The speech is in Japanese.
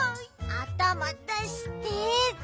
あたま出して。